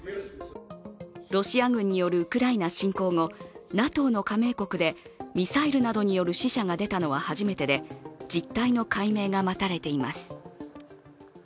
ロシア軍によるウクライナ侵攻後、ＮＡＴＯの加盟国でミサイルなどによる死者が出たのは初めてで実態の解明が待たれています。